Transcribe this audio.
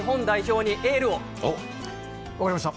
分かりました。